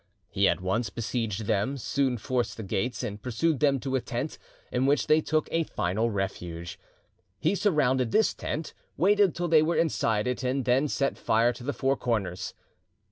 He at once besieged them, soon forced the gates, and pursued them to a tent, in which they took a final refuge. He surrounded this tent, waited till they were inside it, and then set fire to the four corners.